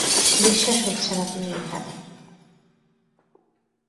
বিশ্বাস হচ্ছে না তুমি এখানে।